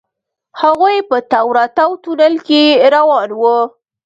هغوئ په تاو راتاو تونل کې روان وو.